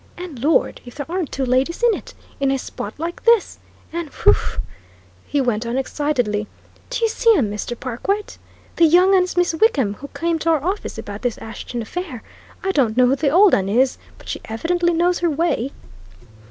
"And Lord, if there aren't two ladies in it in a spot like this! And whew!" he went on excitedly. "Do you see 'em, Mr. Perkwite? The young un's Miss Wickham, who came to our office about this Ashton affair. I don't know who the old un is but she evidently knows her way."